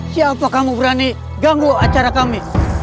siapa kamu berani ganggu acara kami